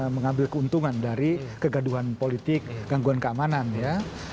mengambil keuntungan dari kegaduhan politik gangguan keamanan ya